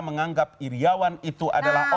menganggap irawan itu adalah